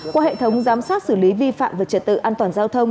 qua hệ thống giám sát xử lý vi phạm về trật tự an toàn giao thông